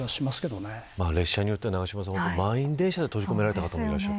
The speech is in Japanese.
列車によっては満員電車で閉じ込められた方もいらっしゃる。